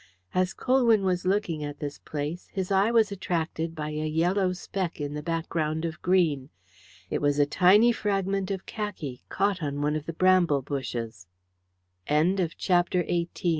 As Colwyn was looking at this place, his eye was attracted by a yellow speck in the background of green. It was a tiny fragment of khaki, caught on one of the bramble bushes. CHAPTER XIX Superintendent Merr